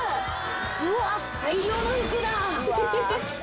うわ大量の服だ。